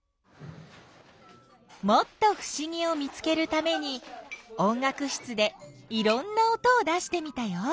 もっとふしぎを見つけるために音楽室でいろんな音を出してみたよ。